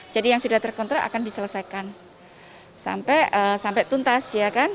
jadi yang sudah terkontrak akan diselesaikan sampai tuntas